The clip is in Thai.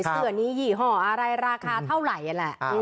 เสื้อนี้ยี่ห้ออะไรราคาเท่าไหร่แหละ